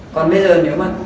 còn bây giờ nếu mà